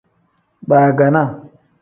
Baaganaa.